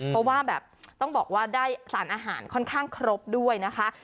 เพราะว่าแบบต้องบอกว่าได้สารอาหารค่อนข้างครบด้วยนะคะ